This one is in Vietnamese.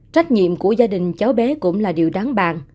trách nhiệm của gia đình cháu bé cũng là điều đáng bàn